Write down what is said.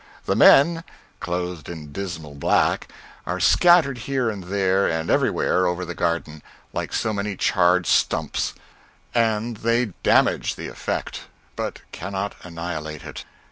The men, clothed in dismal black, are scattered here and there and everywhere over the Garden, like so many charred stumps, and they damage the effect, but cannot annihilate it.